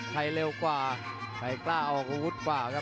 เร็วกว่าใครกล้าออกอาวุธกว่าครับ